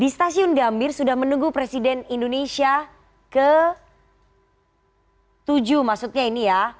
di stasiun gambir sudah menunggu presiden indonesia ke tujuh maksudnya ini ya